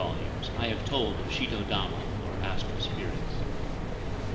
volumes I have told of shito dama or astral spirits.